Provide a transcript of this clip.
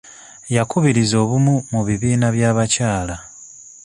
Yakubiriza obumu mu bibiina by'abakyala.